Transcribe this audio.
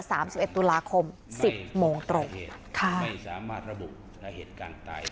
สามสิบเอ็ดตุลาคมสิบโมงตรงค่ะ